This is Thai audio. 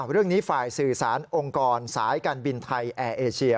เรื่องนี้ฝ่ายสื่อสารองค์กรสายการบินไทยแอร์เอเชีย